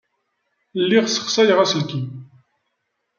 Lliɣ ssexsayeɣ aselkim.